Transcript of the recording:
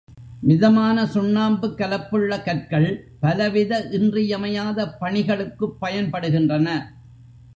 மிதமான சுண்ணாம்புக் கலப்புள்ள கற்கள், பலவித இன்றியமையாத பணிகளுக்குப் பயன்படுகின்றன.